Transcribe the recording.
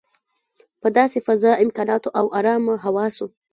په داسې فضا، امکاناتو او ارامه حواسو.